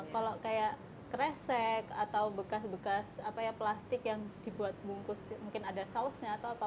kalau kayak kresek atau bekas bekas apa ya plastik yang dibuat bungkus mungkin ada sausnya atau apa